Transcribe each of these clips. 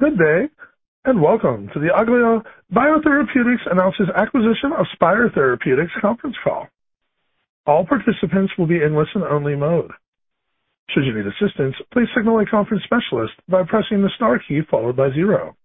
Good day, and welcome to the Aeglea BioTherapeutics announces acquisition of Spyre Therapeutics conference call. All participants will be in listen-only mode. Should you need assistance, please signal a conference specialist by pressing the star key followed by zero.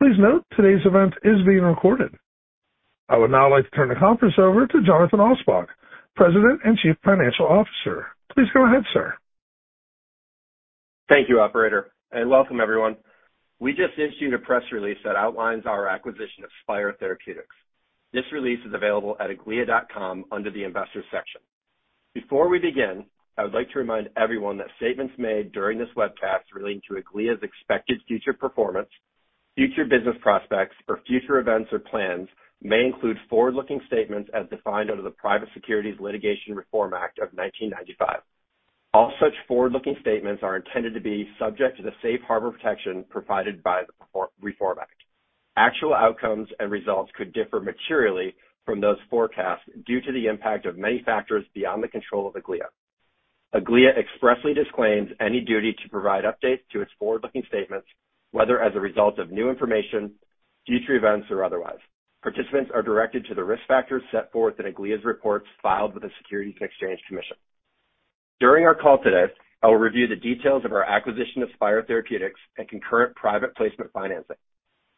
Please note, today's event is being recorded. I would now like to turn the conference over to Jonathan D. Alspaugh, President and Chief Financial Officer. Please go ahead, sir. Thank you, operator, and welcome everyone. We just issued a press release that outlines our acquisition of Spyre Therapeutics. This release is available at aeglea.com under the Investors section. Before we begin, I would like to remind everyone that statements made during this webcast relating to Aeglea's expected future performance, future business prospects, or future events or plans may include forward-looking statements as defined under the Private Securities Litigation Reform Act of 1995. All such forward-looking statements are intended to be subject to the safe harbor protection provided by the Reform Act. Actual outcomes and results could differ materially from those forecasts due to the impact of many factors beyond the control of Aeglea. Aeglea expressly disclaims any duty to provide updates to its forward-looking statements, whether as a result of new information, future events, or otherwise. Participants are directed to the risk factors set forth in Aeglea's reports filed with the Securities and Exchange Commission. During our call today, I will review the details of our acquisition of Spyre Therapeutics and concurrent private placement financing.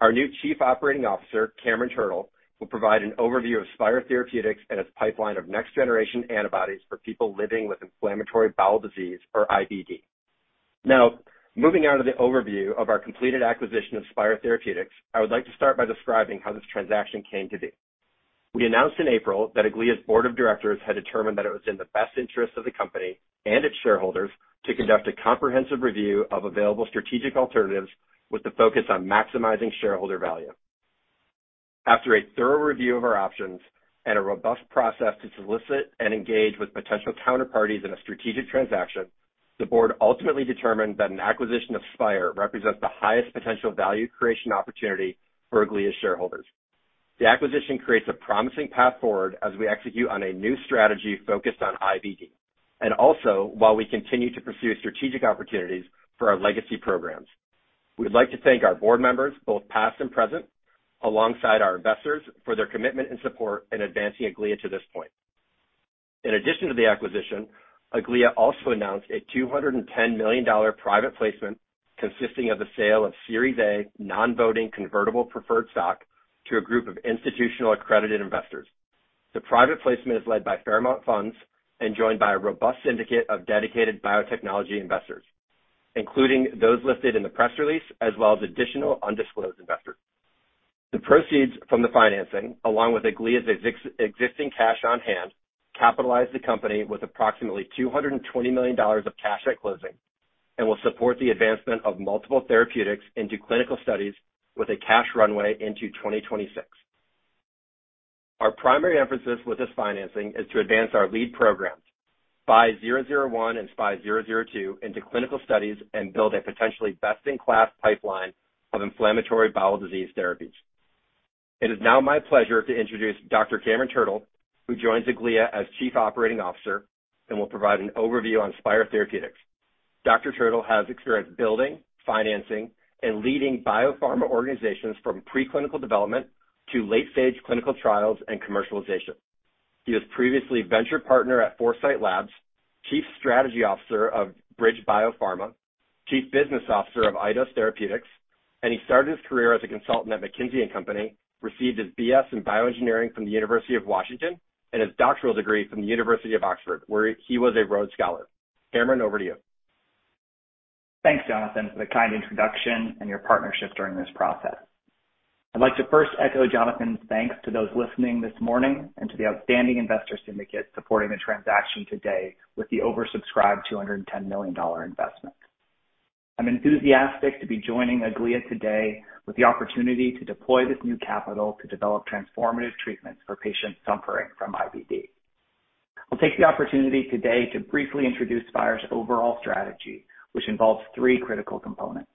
Our new Chief Operating Officer, Cameron Turtle, will provide an overview of Spyre Therapeutics and its pipeline of next-generation antibodies for people living with inflammatory bowel disease, or IBD. Moving on to the overview of our completed acquisition of Spyre Therapeutics, I would like to start by describing how this transaction came to be. We announced in April that Aeglea's board of directors had determined that it was in the best interest of the company and its shareholders to conduct a comprehensive review of available strategic alternatives with the focus on maximizing shareholder value. After a thorough review of our options and a robust process to solicit and engage with potential counterparties in a strategic transaction, the board ultimately determined that an acquisition of Spyre represents the highest potential value creation opportunity for Aeglea shareholders. The acquisition creates a promising path forward as we execute on a new strategy focused on IBD, also while we continue to pursue strategic opportunities for our legacy programs. We'd like to thank our board members, both past and present, alongside our investors, for their commitment and support in advancing Aeglea to this point. In addition to the acquisition, Aeglea also announced a $210 million private placement consisting of the sale of Series A non-voting convertible preferred stock to a group of institutional accredited investors. The private placement is led by Fairmount Funds and joined by a robust syndicate of dedicated biotechnology investors, including those listed in the press release, as well as additional undisclosed investors. The proceeds from the financing, along with Aeglea's existing cash on hand, capitalize the company with approximately $220 million of cash at closing and will support the advancement of multiple therapeutics into clinical studies with a cash runway into 2026. Our primary emphasis with this financing is to advance our lead programs, SPY001 and SPY002, into clinical studies and build a potentially best-in-class pipeline of inflammatory bowel disease therapies. It is now my pleasure to introduce Dr. Cameron Turtle, who joins Aeglea as Chief Operating Officer and will provide an overview on Spyre Therapeutics. Dr. Turtle has experience building, financing, and leading biopharma organizations from preclinical development to late-stage clinical trials and commercialization. He was previously a venture partner at Foresite Labs, Chief Strategy Officer of BridgeBio Pharma, Chief Business Officer of Eidos Therapeutics, and he started his career as a consultant at McKinsey & Company, received his B.S. in bioengineering from the University of Washington, and his doctoral degree from the University of Oxford, where he was a Rhodes Scholar. Cameron, over to you. Thanks, Jonathan, for the kind introduction and your partnership during this process. I'd like to first echo Jonathan's thanks to those listening this morning and to the outstanding investor syndicate supporting the transaction today with the oversubscribed $210 million investment. I'm enthusiastic to be joining Aeglea today with the opportunity to deploy this new capital to develop transformative treatments for patients suffering from IBD. I'll take the opportunity today to briefly introduce Spyre's overall strategy, which involves three critical components.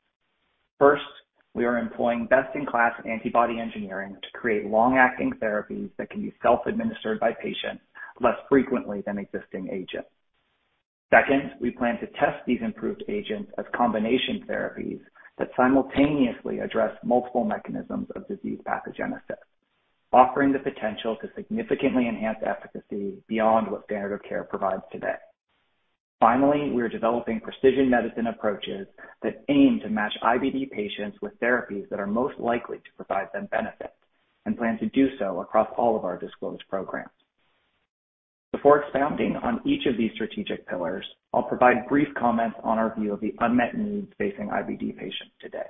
First, we are employing best-in-class antibody engineering to create long-acting therapies that can be self-administered by patients less frequently than existing agents. Second, we plan to test these improved agents as combination therapies that simultaneously address multiple mechanisms of disease pathogenesis, offering the potential to significantly enhance efficacy beyond what standard of care provides today. We are developing precision medicine approaches that aim to match IBD patients with therapies that are most likely to provide them benefits, and plan to do so across all of our disclosed programs. Before expounding on each of these strategic pillars, I'll provide brief comments on our view of the unmet needs facing IBD patients today.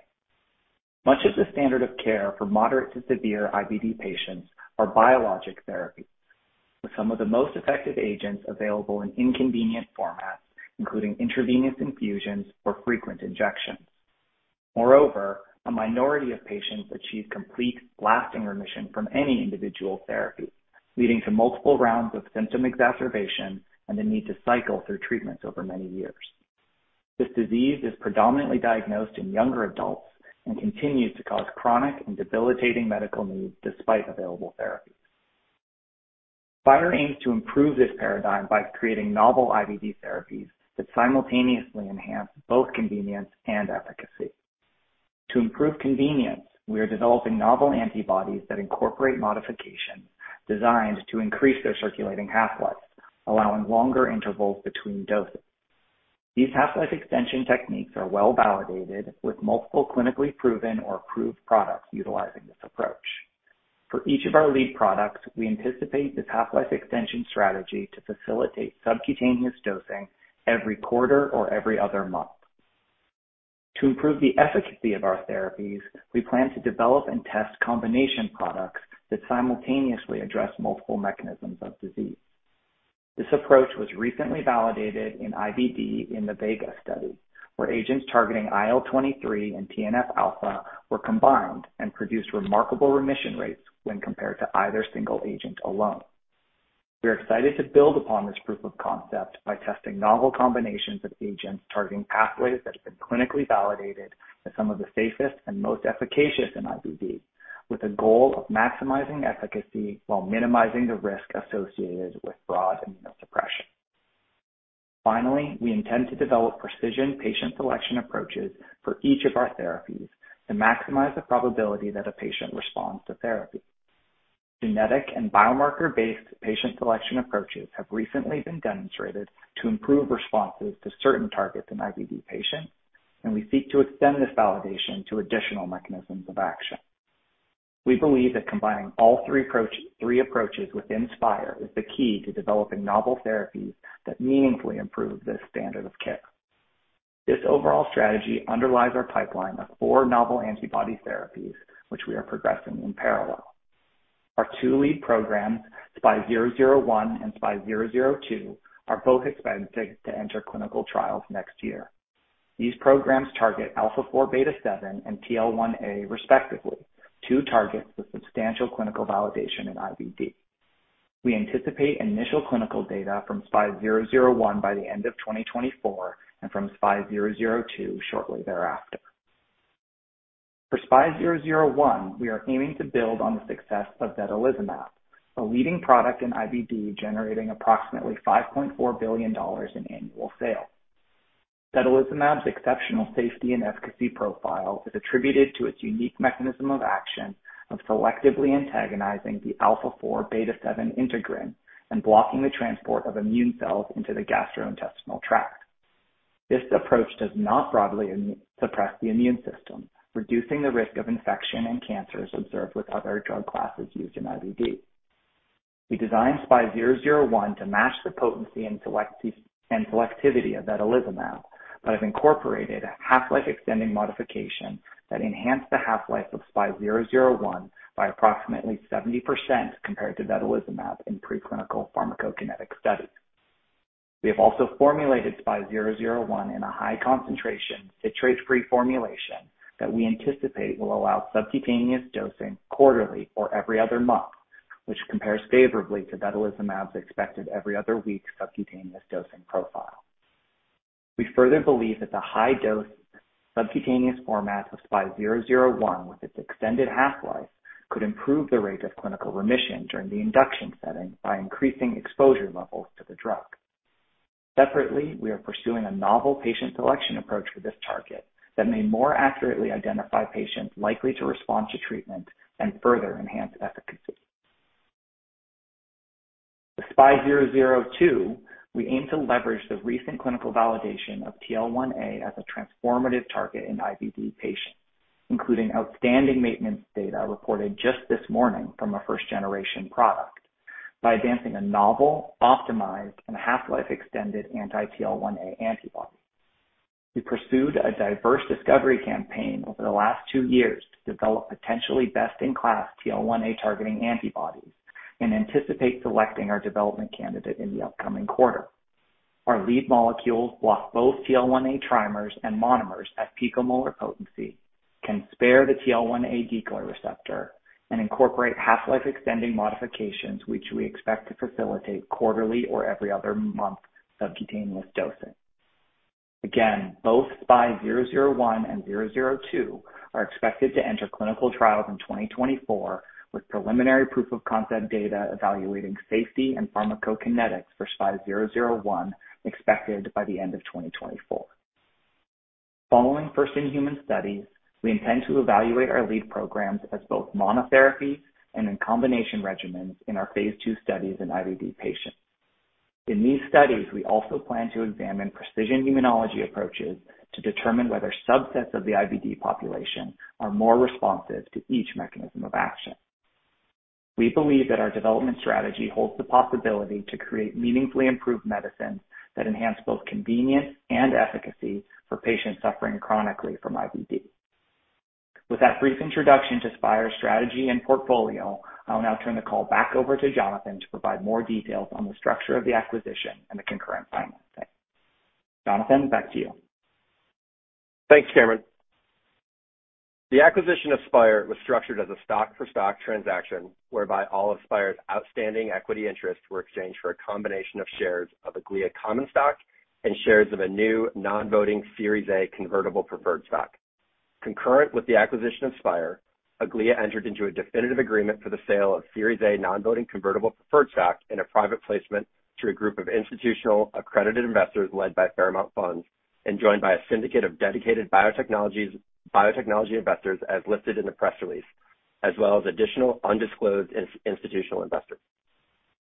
Much of the standard of care for moderate to severe IBD patients are biologic therapies, with some of the most effective agents available in inconvenient formats, including intravenous infusions or frequent injections. Moreover, a minority of patients achieve complete lasting remission from any individual therapy, leading to multiple rounds of symptom exacerbation and the need to cycle through treatments over many years. This disease is predominantly diagnosed in younger adults and continues to cause chronic and debilitating medical needs despite available therapies. Spyre aims to improve this paradigm by creating novel IBD therapies that simultaneously enhance both convenience and efficacy. To improve convenience, we are developing novel antibodies that incorporate modifications designed to increase their circulating half-life, allowing longer intervals between doses. These half-life extension techniques are well-validated, with multiple clinically proven or approved products utilizing this approach. For each of our lead products, we anticipate this half-life extension strategy to facilitate subcutaneous dosing every quarter or every other month. To improve the efficacy of our therapies, we plan to develop and test combination products that simultaneously address multiple mechanisms of disease. This approach was recently validated in IBD in the VEGA study, where agents targeting IL-23 and TNF-α were combined and produced remarkable remission rates when compared to either single agent alone. We are excited to build upon this proof of concept by testing novel combinations of agents targeting pathways that have been clinically validated as some of the safest and most efficacious in IBD, with a goal of maximizing efficacy while minimizing the risk associated with broad immunosuppression. Finally, we intend to develop precision patient selection approaches for each of our therapies to maximize the probability that a patient responds to therapy. Genetic and biomarker-based patient selection approaches have recently been demonstrated to improve responses to certain targets in IBD patients, and we seek to extend this validation to additional mechanisms of action. We believe that combining all three approaches within Spyre is the key to developing novel therapies that meaningfully improve this standard of care. This overall strategy underlies our pipeline of four novel antibody therapies, which we are progressing in parallel. Our two lead programs, SPY001 and SPY002, are both expected to enter clinical trials next year. These programs target α4β7 and TL1A, respectively, two targets with substantial clinical validation in IBD. We anticipate initial clinical data from SPY001 by the end of 2024 and from SPY002 shortly thereafter. For SPY001, we are aiming to build on the success of vedolizumab, a leading product in IBD, generating approximately $5.4 billion in annual sales. Vedolizumab's exceptional safety and efficacy profile is attributed to its unique mechanism of action of selectively antagonizing the α4β7 integrin and blocking the transport of immune cells into the gastrointestinal tract. This approach does not broadly suppress the immune system, reducing the risk of infection and cancers observed with other drug classes used in IBD. We designed SPY001 to match the potency and selectivity of vedolizumab, but have incorporated a half-life extending modification that enhanced the half-life of SPY001 by approximately 70% compared to vedolizumab in preclinical pharmacokinetic studies. We have also formulated SPY001 in a high concentration, citrate-free formulation that we anticipate will allow subcutaneous dosing quarterly or every other month, which compares favorably to vedolizumab's expected every other week subcutaneous dosing profile. We further believe that the high dose subcutaneous format of SPY001, with its extended half-life, could improve the rate of clinical remission during the induction setting by increasing exposure levels to the drug. Separately, we are pursuing a novel patient selection approach for this target that may more accurately identify patients likely to respond to treatment and further enhance efficacy. With SPY002, we aim to leverage the recent clinical validation of TL1A as a transformative target in IBD patients, including outstanding maintenance data reported just this morning from a first-generation product, by advancing a novel, optimized, and half-life extended anti-TL1A antibody. We pursued a diverse discovery campaign over the last two years to develop potentially best-in-class TL1A-targeting antibodies and anticipate selecting our development candidate in the upcoming quarter. Our lead molecules block both TL1A trimers and monomers at picomolar potency, can spare the TL1A decoy receptor, and incorporate half-life extending modifications, which we expect to facilitate quarterly or every other month subcutaneous dosing. Both SPY001 and SPY002 are expected to enter clinical trials in 2024, with preliminary proof-of-concept data evaluating safety and pharmacokinetics for SPY001 expected by the end of 2024. Following first-in-human studies, we intend to evaluate our lead programs as both monotherapy and in combination regimens in our phase 2 studies in IBD patients. In these studies, we also plan to examine precision immunology approaches to determine whether subsets of the IBD population are more responsive to each mechanism of action. We believe that our development strategy holds the possibility to create meaningfully improved medicines that enhance both convenience and efficacy for patients suffering chronically from IBD. With that brief introduction to Spyre's strategy and portfolio, I'll now turn the call back over to Jonathan to provide more details on the structure of the acquisition and the concurrent financing. Jonathan, back to you. Thanks, Cameron. The acquisition of Spyre was structured as a stock-for-stock transaction, whereby all of Spyre's outstanding equity interests were exchanged for a combination of shares of Aeglea common stock and shares of a new non-voting Series A convertible preferred stock. Concurrent with the acquisition of Spyre, Aeglea entered into a definitive agreement for the sale of Series A non-voting convertible preferred stock in a private placement through a group of institutional accredited investors led by Fairmount Funds and joined by a syndicate of dedicated biotechnologies, biotechnology investors, as listed in the press release, as well as additional undisclosed institutional investors.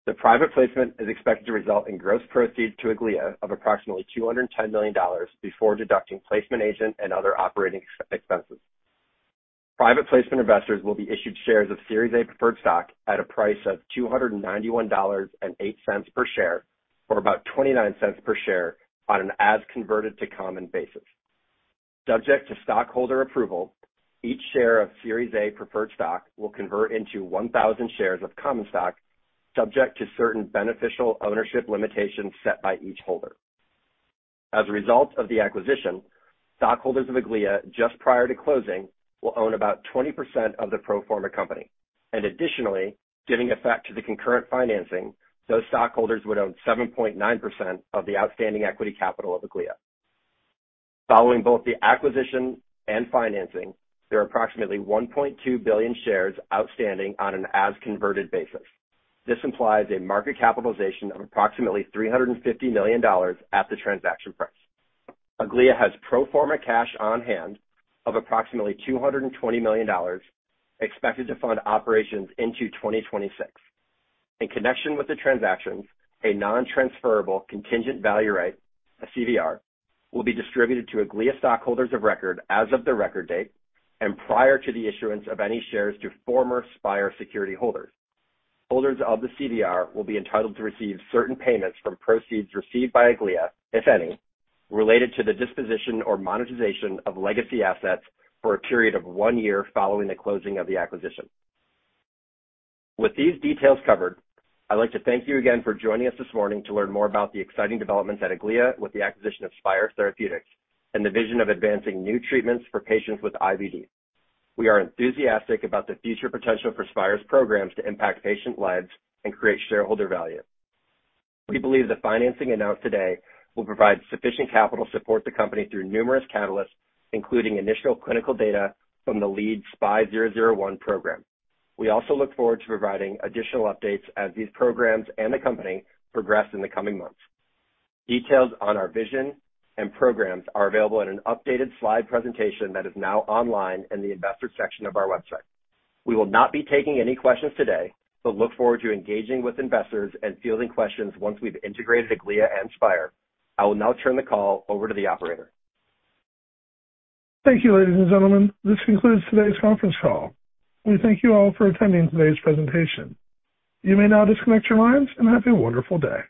The private placement is expected to result in gross proceeds to Aeglea of approximately $210 million before deducting placement agent and other operating expenses. Private placement investors will be issued shares of Series A preferred stock at a price of $291.08 per share, or about $0.29 per share on an as converted to common basis. Subject to stockholder approval, each share of Series A preferred stock will convert into 1,000 shares of common stock, subject to certain beneficial ownership limitations set by each holder. As a result of the acquisition, stockholders of Aeglea, just prior to closing, will own about 20% of the pro forma company, and additionally, giving effect to the concurrent financing, those stockholders would own 7.9% of the outstanding equity capital of Aeglea. Following both the acquisition and financing, there are approximately 1.2 billion shares outstanding on an as-converted basis. This implies a market capitalization of approximately $350 million at the transaction price. Aeglea has pro forma cash on hand of approximately $220 million, expected to fund operations into 2026. In connection with the transactions, a non-transferable contingent value right, a CVR, will be distributed to Aeglea stockholders of record as of the record date and prior to the issuance of any shares to former Spyre security holders. Holders of the CVR will be entitled to receive certain payments from proceeds received by Aeglea, if any, related to the disposition or monetization of legacy assets for a period of 1 year following the closing of the acquisition. With these details covered, I'd like to thank you again for joining us this morning to learn more about the exciting developments at Aeglea with the acquisition of Spyre Therapeutics and the vision of advancing new treatments for patients with IBD. We are enthusiastic about the future potential for Spyre's programs to impact patient lives and create shareholder value. We believe the financing announced today will provide sufficient capital support to the company through numerous catalysts, including initial clinical data from the lead SPY001 program. We also look forward to providing additional updates as these programs and the company progress in the coming months. Details on our vision and programs are available in an updated slide presentation that is now online in the Investors section of our website. We will not be taking any questions today. Look forward to engaging with investors and fielding questions once we've integrated Aeglea and Spyre. I will now turn the call over to the operator. Thank you, ladies and gentlemen. This concludes today's conference call. We thank you all for attending today's presentation. You may now disconnect your lines, and have a wonderful day.